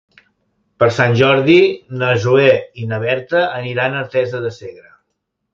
Per Sant Jordi na Zoè i na Berta aniran a Artesa de Segre.